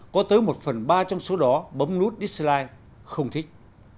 có tới một phần ba trong số đó bấm nút disline không thích